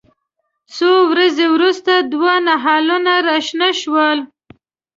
څو ورځې وروسته دوه نهالونه راشنه شول.